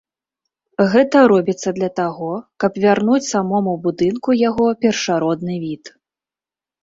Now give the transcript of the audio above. Гэта робіцца для таго, каб вярнуць самому будынку яго першародны від.